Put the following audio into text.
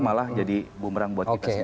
malah jadi bumerang buat kita semua